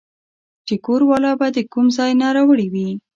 چې کور والا به د کوم ځاے نه راوړې وې